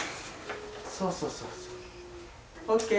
そうそうそうそう。